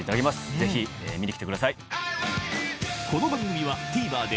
ぜひ見に来てください。